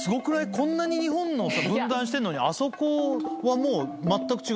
こんなに日本をさ分断してるのにあそこはもう全く違うんだ？